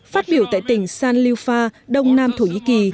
phát biểu tại tỉnh sanliufa đông nam thổ nhĩ kỳ